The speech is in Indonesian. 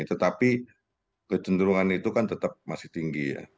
tetapi kecenderungan itu kan tetap masih tinggi ya